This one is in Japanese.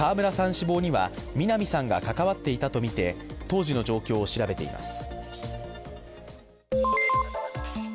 死亡には南さんが関わっていたとみて当時の状況を調べています。